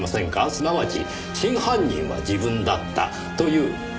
すなわち真犯人は自分だったという告白本を。